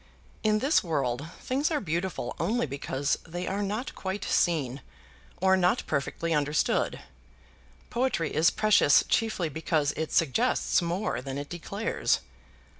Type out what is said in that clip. In this world things are beautiful only because they are not quite seen, or not perfectly understood. Poetry is precious chiefly because it suggests more than it declares.